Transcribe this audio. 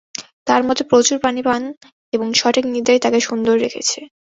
তাঁর মতে, প্রচুর পানি পান এবং সঠিক নিদ্রাই তাঁকে সুন্দর রেখেছে।